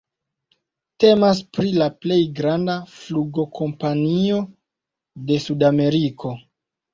Temas pri la plej granda flugkompanio de Sudameriko.